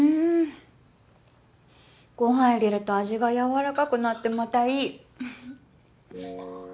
ご飯入れると味がやわらかくなってまたいい！